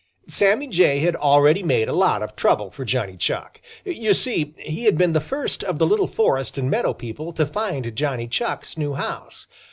Sammy Jay had already made a lot of trouble for Johnny Chuck. You see he had been the first of the little forest and meadow people to find Johnny Chuck's new house.